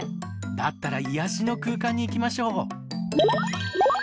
だったら癒やしの空間に行きましょう。